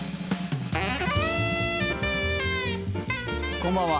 こんばんは。